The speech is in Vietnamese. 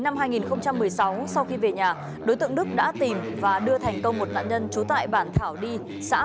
năm hai nghìn một mươi sáu sau khi về nhà đối tượng đức đã tìm và đưa thành công một nạn nhân trú tại bản thảo đi xã